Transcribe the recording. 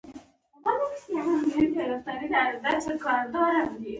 زردالو له طبعیت سره همغږې ده.